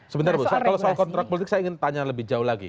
sebentar bu soal kalau soal kontrak politik saya ingin tanya lebih jauh lagi